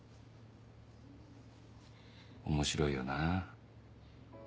面白いよな。